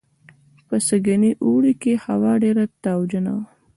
په سږني اوړي کې هوا ډېره تاوجنه وه